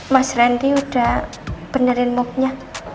mas rendy udah benerin booknya